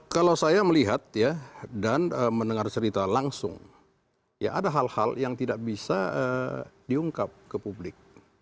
kalau saya melihat ya dan mendengar cerita langsung ya ada hal hal yang tidak bisa diungkap ke publik